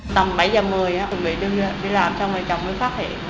tầm bảy h một mươi mình đi làm xong rồi chồng mới phát hiện